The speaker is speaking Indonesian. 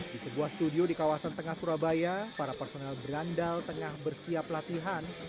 di sebuah studio di kawasan tengah surabaya para personel berandal tengah bersiap latihan